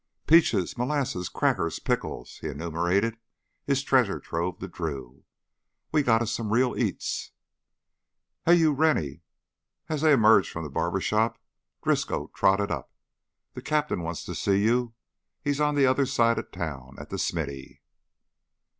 "Peaches, molasses, crackers, pickles," he enumerated his treasure trove to Drew. "We got us some real eats." "Hey, you Rennie!" As they emerged from the barber shop Driscoll trotted up. "The cap'n wants to see you. He's on the other side of town at the smithy."